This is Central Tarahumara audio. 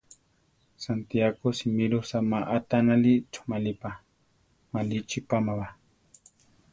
Santiáko simírosa má aʼtanáli choʼmalí pa, malíchi páma ba.